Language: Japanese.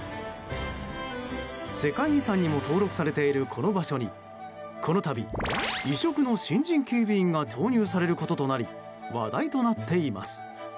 世界遺産にも登録されているこの場所にこの度、異色の新人警備員が投入されることとなり話題となっています。